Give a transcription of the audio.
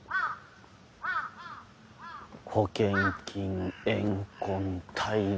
保険金怨恨対立